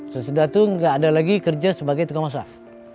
sesudah itu nggak ada lagi kerja sebagai tukang masak